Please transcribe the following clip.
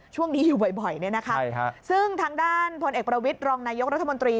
ช่วงนี้อยู่บ่อยเนี่ยนะคะซึ่งทางด้านพลเอกประวิทย์รองนายกรัฐมนตรี